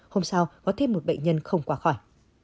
hôm sau có thêm một bệnh nhân không qua khỏi